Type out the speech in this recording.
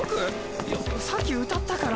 いやさっき歌ったから。